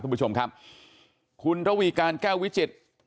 คุณผู้ชมครับคุณระวีการแก้ววิจิตร